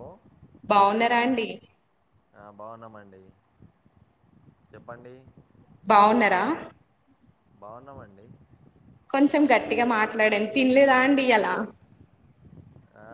Hello బావున్నారా అండి ఆ బాగున్నామండి చెప్పండి, ఏం బాగున్నారా, చేస్తున్నారు బాగున్నామండి. కొంచెం గట్టిగా మాట్లాడండి తినలేదా అండి ఇయాలా, ఆ,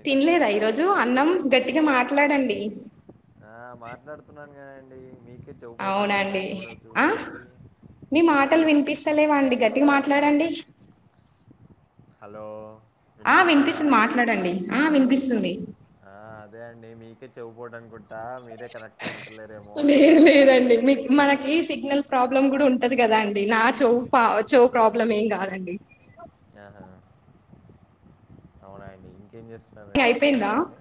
ఏంటండి తినలేదా ఈరోజు అన్నం గట్టిగా మాట్లాడండి. ఆ మాట్లాడుతున్నాను కానీడి అవునండి ఆ చూసుకోండి మీ మాటలు వినిపిస్తలేవాండి గట్టి గట్టిగా మాట్లాడండి, హలో ఆ వినిపిస్తుందా వినిపిస్తుంది మాట్లాడండి ఆ వినిపిస్తుంది. ఆ అదే అండి మీకే చెవుకోవట అనుకుంట లేదు లేదండి మీ మనకి ఈ సిగ్నల్ ప్రాబ్లం కూడా ఉంటది కదా అండి నా చవు చవు ప్రాబ్లం ఏం కాదండి, ఆహా అవునా అండి ఇంకేం చేస్తున్నారండి అయిపోయిందా తిన్నారా అండి,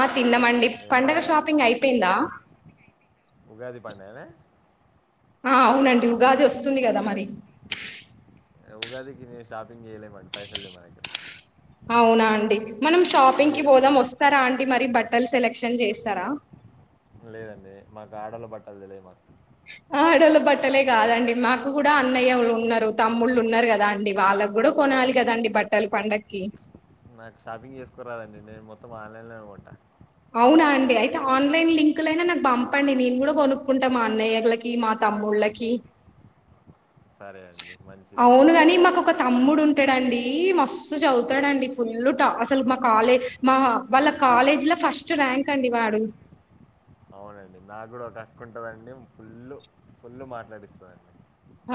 ఆ తినమండి ఏం పండుగ పండగ షాపింగ్ అయిపోయిందా, ఉగాది పండగానా ఆ అవునండి ఉగాది వస్తుంది, కదా మరి ఉగాదికి షాపింగ్ చేయలేము అండీ పైసలు లేవు మా దగ్గర, అవునా అండి మనం మీరు షాపింగ్కిి పోదాం చేస్తారా వస్తారా అండి మరి బట్ బట్టలు సెలక్షన్ చేస్తారా, లేదండి మాకు ఆడలు బట్టలు తెలిదు మాకు ఆడలు బట్టలే కాదండి మాకు కూడా అన్నయ్యలు ఉన్నారు, తమ్ముళ్ళు ఉన్నారు కదా అండి వాళ్ళ, వాళ్లా కూడా కొనాలి కదండి బట్టలు పండక్కి నాకు షాపింగ్ చేసుకోరాదండి నేను మొత్తం ఆన్లైన్లో కొంటా అవునా అండి అయితే ఆన్లైన్ లింకుల అయినా నాకు పంపండి నేను కూడా కొనుక్కుంటాం అన్నయ్యలకి మా తమ్ముళకి సరే అండి మంచిది మాకు ఒక తమ్ముడు ఉంటాడుడి మస్తు చదువుతాడుడి ఫుల్ అసలు మా కాలే మా వాళ్ళ కాలేజీ లో ఫస్ట్ ర్యాంక్ అండి వాడు అవునండి నాకు కూడా ఒక హక్కు ఉంటుందండి ఫుల్ ఫుల్లు మాట్లాడిస్తదండి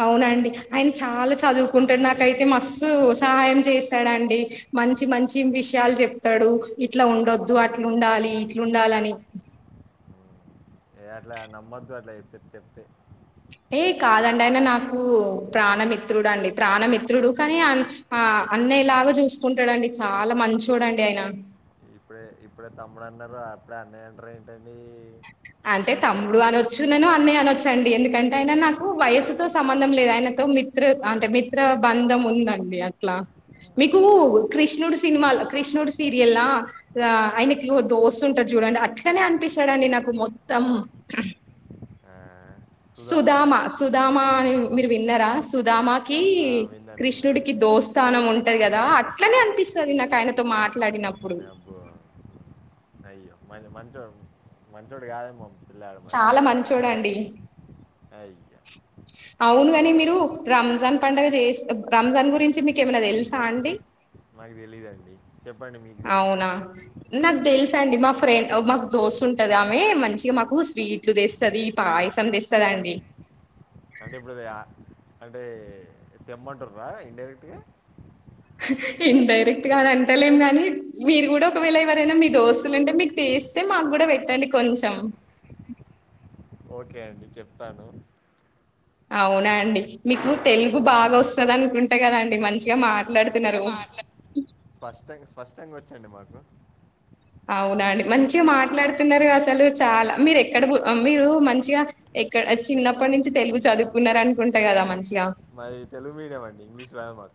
అవునండి ఆయన చాలా చదువుకుంటాడు నాకైతే మస్తు సహాయం చేస్తాడుండి మంచి మంచి విషయాలు చెప్తాడు ఇట్లా ఉండొద్దు అట్లు ఉండాలి ఇట్లుండాలని అట్లా నమ్మొద్దు అట్లా చెప్పి చెప్తే ఏ కాదండి ఆయన నాకు ప్రాణమిిత్రుడు అండి ప్రాణమిత్రుడు కానీ అన్న లాగా చూసుకుంటాడండి చాలా మంచచొడండి ఆయన ఇప్పుడే ఇప్పుడే తమ్ముడు అన్నారు అప్పుడే అన్నయ్య అంటారు ఏంటండి అంటే తమ్ముడు అనొచ్చు నను అన్నయ్య అనొచ్చండి ఎందుకంటే ఆయన నాకు వయస్సుతో సంబంధం లేదు ఆయన మిత్ర అంటే మిత్ర బంధం ఉందండి అట్లా మీకు ఆహా. కృష్ణుడు సినిమా కృష్ణుడు సీరియల్ ఆయనకి దోస్తు ఉంటారు చూడండి అట్లనే అనిపిస్తాడండి నాకు మొత్తం ఆ, సుధామానా సుధామా సుధామా అని మీరు విన్నారా సుధామా ఆ, విన్నాను కృష్ణుడికి విన్నానండి దోస్థానం ఉంటది కదా అట్లనే అనిపిస్తది నాకు ఆయనతో మాట్లాడిన డబ్బు అయ్యో మ మంచోడు మంచొడు కాదేమో పిల్లాడు చాల మంచూడండి అ అవును గాని మీరు రామ్ రంజాన్ పండగ చేస్త రంజాన్ గురించి మీకేమైనా తెలుసా అండి మాకి తెలిదండి అవునా నాకు తెల్ అండి మా ఫ్రెండ్ మాకు దోస్తు ఉంటది ఆమె మంచిగా మాకు స్వీట్లు తెస్తుంది పాయసం తెస్తుంది అది అంటే ఇప్పుడు అంటే తెమ్మంటుార ఇండైరెక్ట్గా ఇన్ డైరెక్ట్ కాని అంటలేం కాగానీ మీరు కూడా ఒకవేళ ఎవరైనా మీ దోస్తులు అంటే మీకు చేస్తే మాకు కూడా పెట్టండి కొంచెం ఓకే అండి చెప్తాను అవునా అండి మీకు తెలుగు బాగా వస్తుంది అనుకుంటే కదండి మంచిగా మట్ మాట్లాడుతునారు ఫస్ట్ టైం వచ్చండి మాకు అవునండి మంచిగా మాట్లాడుతున్నారు అసలు చాలా మీరు ఎక్కడ మీరు మంచిగా ఇక్కడ చిన్నప్పటి నుంచి తెలుగు చదువుకున్నార అనుకుంటా కదా మంచిగా మాది తెలుగు మీడియం అండి ఇంగ్లీష్ రాదు మా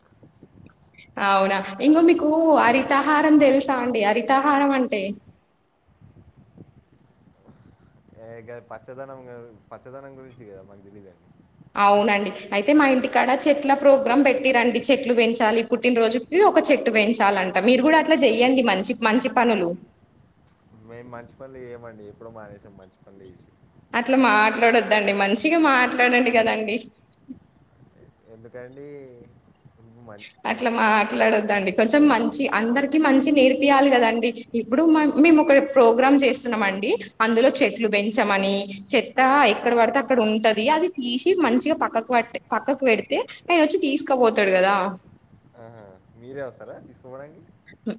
అవునా ఇంగ మీకు హరితాహారం తెలుసా అండి హరితాహారం అంటే పచ్చదనం పచ్చదనం గురించి కదా మాకు తెలీదండి అవునండి అయితే మా ఇంటికాడ చెట్ల ప్రోగ్రామ్ పెట్టి రండి చెట్లు పెంచాలి పుట్టినరోజుకి ఒక చెట్టు పెంచాలంట మీరు కూడా అట్లా చెయ్యండి మంచి మంచి పనులు మేము మంచి పనులు చేయమండి ఎప్పుడడు మానేసం మంచి పనులు చేసి అట్లా మాట్లాడొద్దండి మంచిగా మాట్లాడండి కదండి ఎందుకండి మం- ఆహా. అట్లా మా మాట్లాడొద్దండి కొంచెం మంచి అందరికి మంచి నేర్పియాలి కదండి ఇప్పుడు మేము ఒక ప్రోగ్రామ్ చేస్తున్నామ అండి అందులో చెట్లు పెంచమని చెత్త ఎక్కడ పడితే అక్కడ ఉంటది అది తీసి మంచిగా పక్కకు పె పక్కకు పెడితే ఆయన వచ్చి తీసుకపోతాడు కదా ఆహా. మీరే వస్తారా తీసుకపోవడానికి హ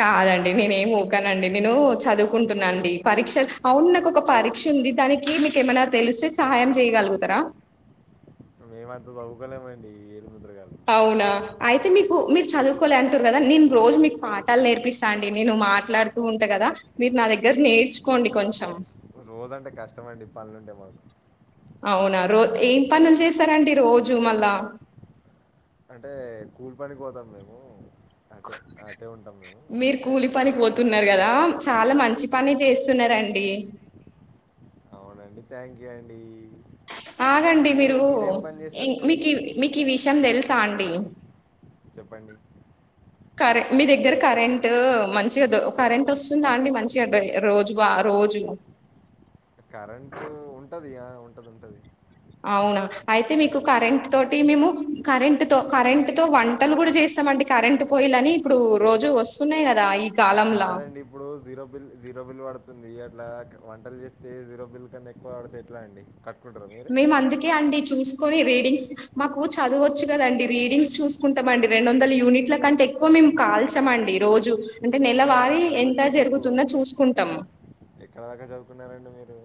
కాదండి నేనే ఏం ఊకానండి నేను చదువుకుంటున్నా అండి. పరీక్షలు అవును నాకొక పరీక్ష ఉంది దానికి మీకు ఏమైనా తెలిస్తే సహాయం చేయగలుగుతరా? మేమంతా చదువుకోలేమండి. ఏలుముద్ర గారు అవునా అయితే మీకు మీరు చదువుకోలే అంటురు కదా, నేను రోజు మీకు పాఠాలు నేర్పిస్తా అండి నేను మాట్లాడుతూ ఉంట క దా మీరు నా దగ్గర నేర్చుకోండి కొంచెం. రోజంటే కష్టమండి పనులు ఉంటే మాకు అవునా రో ఏం పనులు చేసారండి రోజు మళ్ళ? అంటే కూలి పనికి పోతం మేము. అటే అటే ఉంటాం మేము మీరు అయితే కూలి పని పోతున్నారు కదా! చాలా మంచి పని చేస్తున్నరండి. అవునా అండి థ్యాంక్ యూ అండీ. ఆగండి మీరూ పని ఇ చేస్తారండి మీకి మీకు విషయం తెలుసా అండి! చెప్పండి కరె మీ దగ్గర కరెంటూ మంచిగ దొ కరెంట్ వొస్తుందా అండి మంచిగ రోజు బా రోజు రోజు ఉంటది ఉంటది. అవునా అయితే మీకు కరెంట్ తోటి మేము కరెంట్ తో కరెంట్ తో వంటలు కూడ చేస్తామండి. కరెంట్ పొయ్యిలని ఇప్పుడు రోజు వస్తున్నాయి కదా ఈ కాలంలా కాదండి ఇప్పుడు జీరో బిల్ జీరో బిల్ పడు తుంది అట్ల వంటలు చేస్తే జీరో బిల్ కన్నా ఎక్కువ వాడతే ఎట్లా అండి క మేము అందుకే అండి చూస్ కొని రీడింగ్స్ మాకు చదువు వచ్చు కదండి, రీడింగ్స్ చూసుకుంటమండి రెండు వందల యూనిట్ల కంటే ఎక్కువ మే ము కాల్చామండి రోజు అంటే అవునా నెలవారీ ఎంత చదవచ్చా మీకు జరుగుతుందో చూసుకుంటం కున్నారండి మీరు?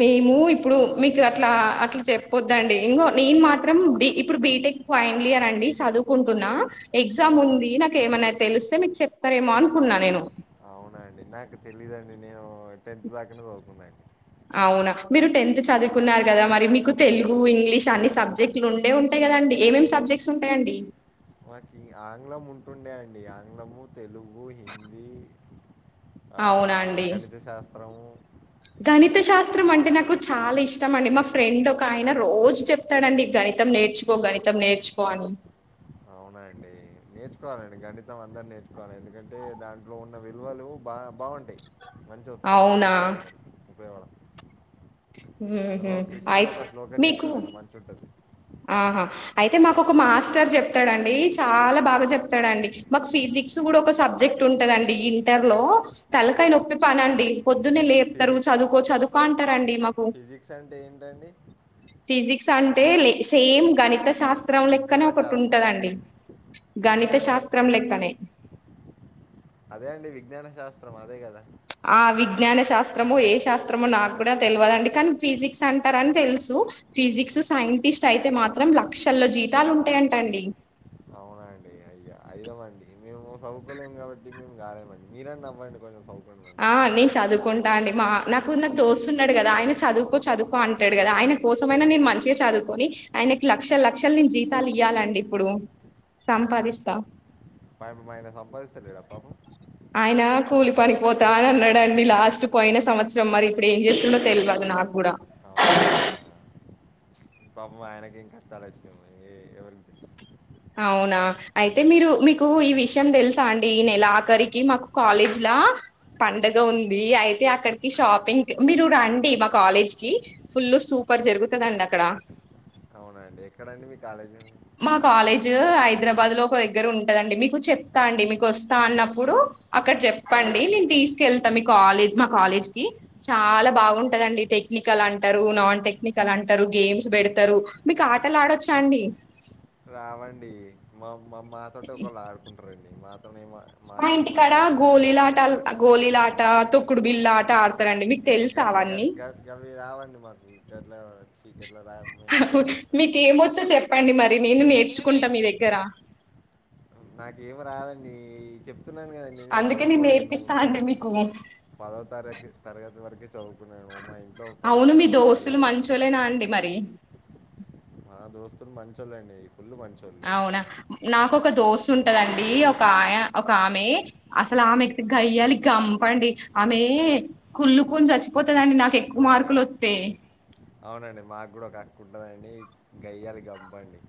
మేము ఇప్పుడు మీకు అట్లా అట్ల చెప్పపోద్దండి ఇంగో నేను మాత్రం బి ఇప్పుడు బి నిక్ ఫైన్లియర్ అండి చదువుకుంటున్నా, ఎగ్జామ్ ఉంది నాకు ఏమైనా తెలిస్తే మీకు చెప్తరేమో అనుకున్న నేను అవునా అండి నాకు తెలియదండి నేను టెన్త్ దాకనే చదువుకున్న అండి. అవునా మీరు టెన్త్ చదువుకున్నారు కదా మరి మీకు తెలుగు, ఇంగ్లీష్ అన్ని సబ్జెక్టులు ఉండే ఉంటాయి కదా అండి! ఏమేం సబ్ బ్జెక్ట్స్ ఉంటాయండి? మాకు ఆంగ్లం ఉంటుండే అండి ఆంగ్లము, తెలుగు, హిందీ ఆ అవునా అండి గణిత శాస్త్రము త్రం అంటే నాకు చాలా ఇష్టం అండి మా ఫ్రెండ్ ఒక ఆయన రోజు చెప్తడండి గణితం నేర్చుకో గణి తం నేర్చుకో అనీ అవునా అండి నేర్చుకోవాలండి గణితం అందరు నేర్చుకోవాలి, ఎందుకంటే దాంట్లో ఉన్న విలువలు బా వుంటాయి మంచిగ వస్తాయి, మంచిగ అవునా ఉంటాయి అందరు ఉపయోగపడ హ్మ్ హు అయ్ కృష్ణుడు ఒక శ్లోకం మీకు చెప్తాడండి మంచుంటది. ఆ హాఁ అయితే మాకు ఒక మాస్టర్ చెప్తడండి చాల బాగ చెప్తడండి. మాకు ఫిజిక్స్ కూడ ఒక సబ్జెక్ట్ ఉంటందండి ఇంటర్ లో, తలకాయ నొప్పి పనండి పొ ద్దునే లేప్తరు ఫిజిక్స్ చదువుకో చదువుకో అంటారంండి మాక్ ఫిజిక్స్ అంటే ఏంటండి? ఫిజిక్స్ అంటే సేమ్ గణిత శాస్త్రం లెక్కనే విజ్ఞాన ఒకటి శాస్త్రమా ఉంటదండి. అండి? గణిత విజ్ఞాన శాస్త్రం కదా! లెక్కనే, అదే అండి విజ్ఞాన శాస్త్రం అదే కదా! ఆ వి జ్ఞాన శాస్త్రమో ఏ శాస్త్రమో నాకు కూడా తెలవదండి కానీ ఫిజిక్స్ అంటారని తెలుసు ఫిజిక్స్ సైంటిస్ట్ అయితే మాత్రం లక్షల్లో జీతాలు ఉంటాయంటండి అఐదమండి మేము చదువు కొలేము కాబట్టి మేము గాలేమండి మీరన్న అవ్వండి కొంచెం చదువుకోండి ఆ మంచిగా నేను చదువుకు ద అండి మా నాకు నాకు దోస్తు ఉన్నాడు కదా ఆయన చదువుకో చదువుకో అంటాడు కదా ఆయన కోసమైనా నేను మంచిగా చదువు కని ఆయనకి లక్ష లక్షలు నేను జీతాలు ఇయ్యాలండి ఇప్పుడు ఆ, సంపాదిస్తా పాపం ఆయన సంపాదిస్తలేడా పాపం ఆయన కూలి పనికిపోతా అని అన్నాడండి లాస్ట్ పోయిన సంవత్సరం మరి ఇప్పుడు ఏం చేస్తుండో తెల్వదు నాకు ఇప్పుడా అవునా పాపం ఆయనకి ఏం కష్టాలు వచ్చినయో ఎవరికి తెలుసు అవునా అయితే మీరు మీకు ఈ విషయం తెలుసా అండి ఈ నెలా ఆఖరికి మాకు కాలేజ్లా పండగ ఉంది అయితే అక్కడికి షాపింగ్ కి మీరు రండి మా కాలేజ్ కి ఫుల్ సూ పర్ జరుగుతుందండి అక్కడ అవునా అండి ఎక్కడండి మీ కాలేజీ మా కాలేజ్ హైదరాబాద్ లో ఒక దగ్గర ఉంటదండి మీకు చెప్తా అండి మీకు వస్తా అన్నప్పుడు అక్కడ చెప్పండి నేను తీసుకెళ్తాం మీ కాలేజ్ మా కాలేజ్ కి చాలా బాగుంటదండి టెక్నికల్ అంటారు నాన్ టెక్నికల్ అంటారు గేమ్స్ పెడతారు మీకు ఆటలు ఆడొచ్చా అండి రావండి మా మా మాతోటి ఒకళ్ళు ఆడుకుంటారండి మాతో ఏ మా మాకు ఏ ఇంటి కాడ మాటలు వస్తాయండి గోలిలాట గోలిలాట తొక్కుడు బిల్ళ ఆట ఆడ ఏ గట్ల గ గ గభ అవ మాకు గట్ల [unintelligible] మేము చేయం గట్ల మీకేమో చ్చో చెప్పండి మరి నేను నేర్చుకుంటా మీ దగ్గర నాకేమి రాధండి చెప్ చెప్తున్నాను కదండీ నేను అందుకే చదువుకోలేను నేర్పిస్తా అండి మీకు పదో తరగతి తరగతి వరకే చదువుకున్నాను మా ఇంట్లో అవును మీ పరిస్థితులు దోస్తులు బాలేక మంచోలేనా అండి మరి నా దోస్తులు మంచోళ్ళండి ఫుల్ మంచోళ్ళు అవునా నా ఒక దోస్త్ ఉంటదండి ఒక ఆ ఒక ఆమె అసలు ఆమెక్ గయ్యాలి గంపండి ఆమె కుళ్ళుకుని చచ్చిపోతదండి నాకు ఎక్కువ మార్కులు అవునండి వస్తే అవునండి మాకు కూడా ఒక అక్కుంటుందండి గయ్యాల గంపండి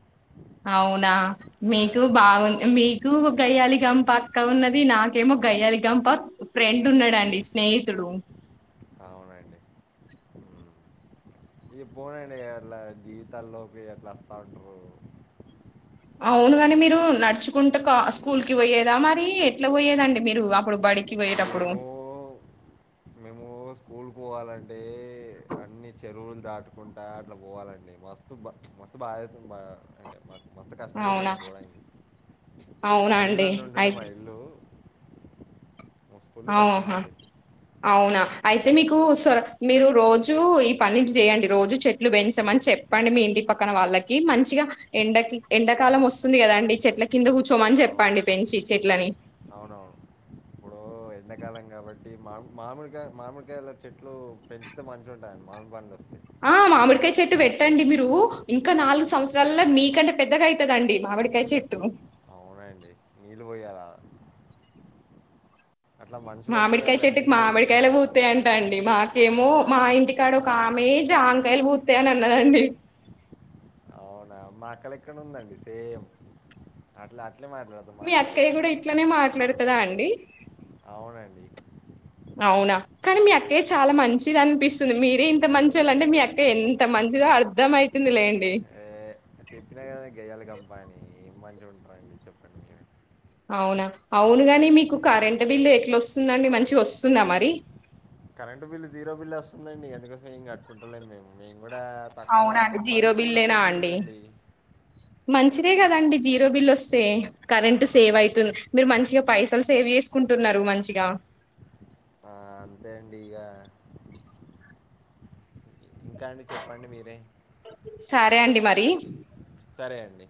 అవునా ఆ, మీకు బాగు మీకు గయ్యాలి గంప అక్క ఉన్నది నాకేమో గయ్యాలి గంప ఫ్రెండ్ ఉన్నాడండి స్నేహ స్నేహితుడు అవునండి ఇక పోనండి అట్లా జీవితాల్లోకి ఎట్లా వస్తా ఉంటారు అవునుగాని మీరు నడుచుకుంట స్కూల్ కి పోయేదా మరి ఎట్లా పోయేదండి మీరు అప్పుడు బడి కి పోయిటఅప్పుడు మేము చెప్పాలంటే అన్ని చెరువులు దాటుకుంటా అట్లా పోవాలండి మస్తు బా మస్తు బాధే బా అంటే మ మస్తు కష్టమైతుండు అవునా పోవడానికి అవునా అండి అడవిలల్లో ఉంటుండే మా అయితే ఇల్లు మస్తు ఫుల్ కష్టం అవుహా మాకైతే అవునా అయితే మీకు స మీరు రోజు ఈ పని చేయండి రోజు చెట్లు పెంచమని చెప్పండి మీ ఇంటి పక్కన వాళ్ళకి మంచిగా ఎండకి ఎండకాలం వస్తుంది కదాండి చెట్ల కింద కూర్చోమని అవును చెప్పండి పెంచి చెట్లని అవునవును ఇప్పుడు ఎండాకాలం కాబట్టి మామి మామిడి కాకాయ మామిడికాయల చెట్లు పెంచితే మంచిగా ఉంటాయి మామిడి పండ్లు వస్తయి ఆ మామిడికాయ చెట్టు పెట్టండి మీరు ఇంకా నాలుగు సంవత్సరాలల్లో మీకంటే పెద్దగా అయితదండి మా మామిడి కాయ చెట్టు నీళ్ పోయి అట్లా మనుషులకు కూడా మామిడికాయ అట్లా చెట్టుకి నీళ్ళు పోసి మామిడికాయలే పెట్- పూ తయి అం అండి మాకేమో మా ఇంటికాడ ఒక అయ్యా ఆమె జాంకాయలు పూతాయని అన్నదండి అవునా మా అక్క లెక్కనే ఉందండి సేమ్ అట్లా అట్ అట్లే మాట్లాడతాం మా మీ అక్క కూడా అక్కయ్య గూడా ఇట్లనే మాట్లాడుతదా అండి? అవునండి అవునా కానీ మీ అక్కయ్య చాలా మంచిది అనిపిస్తుంది మీరే ఇంత మంచి వాళ్ళ అంటే మీ అక్కయ ఎంత మంచి దో అర్ధం అయితుందిలేండి ఏ, చెప్పినా కద గయాలి గంప అని ఏం మంచిగవుంటంది చెప్పండి మీరు అవునా అవును గాని మీకు కరెంట్ బిల్లు ఎట్లా వస్తుందండి మంచి వస్తుందా మరి కరెంట్ బిల్ జీరో బిల్ వస్తుందండి ఎందుకోసం ఏం కట్టుకుంటలేం మేము మేముకూడ తక్కువ అవునా అండి వాడతాం జీరో మాది బిల్లేనా కూలపెంకి అండి ఇళ్లండి మంచిదే కదండి జీరో బిల్ వస్తే కరెంట్ సేవ్ అవుతది మీరు మంచిగా పైసలు సేవ్ చేసుకుంట కుంటున్నారు మంచిగా ఆ అంతే అండి ఇక ఇంకా అండి చెప్పండి మీరే సరేండి మరి సరే అండి